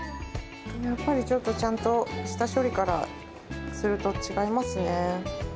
やっぱりちょっと、ちゃんと下処理からすると違いますね。